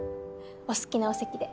お好きなお席で。